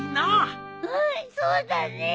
うんそうだね！